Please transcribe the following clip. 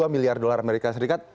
dua puluh miliar dolar amerika serikat